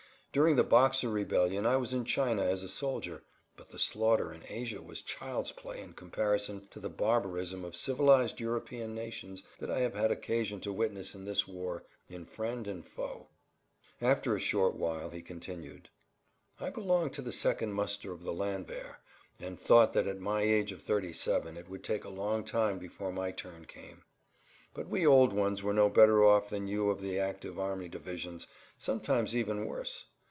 During the Boxer rebellion I was in China as a soldier, but the slaughter in Asia was child's play in comparison to the barbarism of civilized European nations that I have had occasion to witness in this war in friend and foe." After a short while he continued: "I belong to the second muster of the landwehr, and thought that at my age of 37 it would take a long time before my turn came. But we old ones were no better off than you of the active army divisions—sometimes even worse.